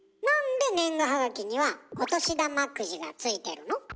なんで年賀はがきにはお年玉くじが付いてるの？